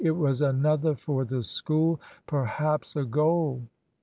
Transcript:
It was another for the School perhaps a goal.